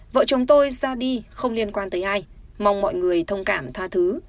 vợ chồng tôi ra đi không liên quan tới ai mong mọi người thông cảm tha thứ